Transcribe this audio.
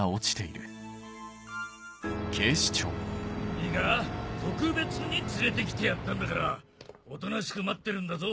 いいか特別に連れて来てやったんだからおとなしく待ってるんだぞ。